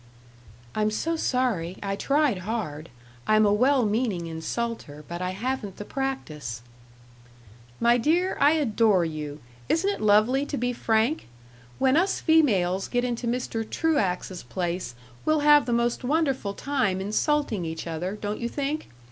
"I'm so sorry. I tried hard I'm a well meaning insulter, but I haven't the practice." "My dear, I adore you. Isn't it lovely to be frank? When us females get into Mr. Truax's place we'll have the most wonderful time insulting each other, don't you think?